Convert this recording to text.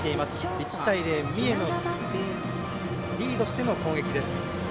１対０、三重がリードしての攻撃。